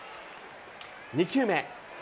２球目。